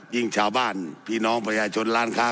ยิ่งชาวบ้านพี่น้องปริญญาชนร้านค้า